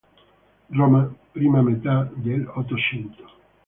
Roma, prima metà dell'Ottocento.